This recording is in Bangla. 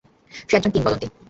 সে একজন কিংবদন্তি!